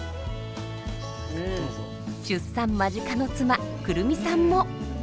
出産間近の妻胡桃さんも。